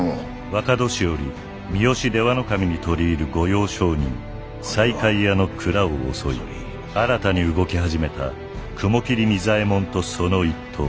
若年寄三好出羽守に取り入る御用商人西海屋の蔵を襲い新たに動き始めた雲霧仁左衛門とその一党。